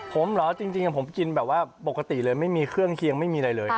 ผมเหรอจริงผมกินแบบว่าปกติเลยไม่มีเครื่องเคียงไม่มีอะไรเลย